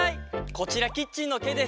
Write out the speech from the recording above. こちらキッチンのケイです！